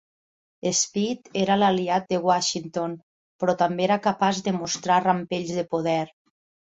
Speed era l'aliat de Washington però també era capaç de mostrar rampells de poder.